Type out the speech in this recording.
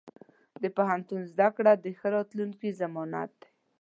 د پوهنتون زده کړه د ښه راتلونکي ضمانت دی.